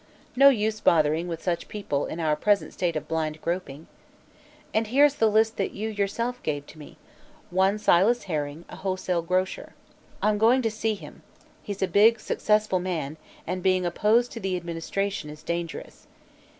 No use bothering with such people in our present state of blind groping. And here's the list that you, yourself, gave to me: One Silas Herring, a wholesale grocer. I'm going to see him. He's a big, successful man, and being opposed to the administration is dangerous.